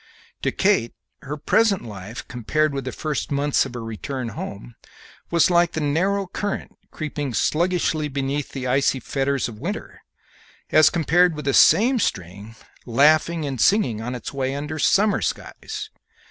To Kate her present life, compared with the first months of her return home, was like the narrow current creeping sluggishly beneath the icy fetters of winter as compared with the same stream laughing and singing on its way under summer skies.